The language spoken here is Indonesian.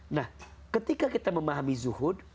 nah ketika kita memahami zuhud